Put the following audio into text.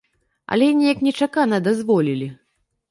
Але неяк нечакана дазволілі.